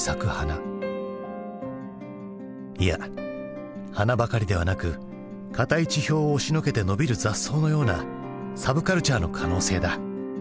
いや花ばかりではなく固い地表を押しのけて伸びる雑草のようなサブカルチャーの可能性だ。